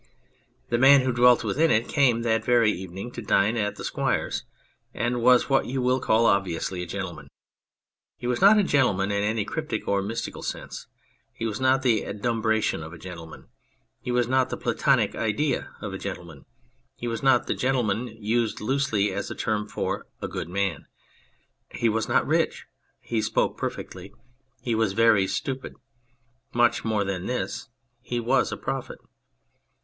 The man who dwelt within it came that very evening to dine at the Squire's, and was what you will call obviously a gentleman. He was not a gentleman in any cryptic or mystical sense; he was not the Adumbration of a gentleman ; he was not the Platonic Idea of a gentleman ; he was not the Gentleman used loosely as a term for a good man ; he was not rich ; he spoke perfectly ; he was very stupid. Much more than this, he was a Prophet.